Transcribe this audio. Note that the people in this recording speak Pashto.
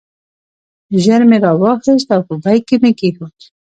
ژر مې را واخیست او په بیک کې مې کېښود.